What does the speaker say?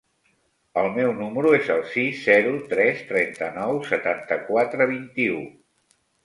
El meu número es el sis, zero, tres, trenta-nou, setanta-quatre, vint-i-u.